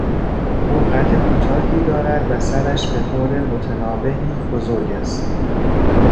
او قد کوتاهی دارد و سرش به طور متنابهی بزرگ است.